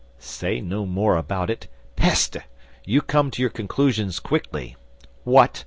"Say no more about it! Peste! You come to your conclusions quickly. What!